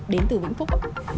đến từ vĩnh phúc